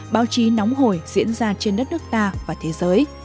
báo chí nóng hổi diễn ra trên đường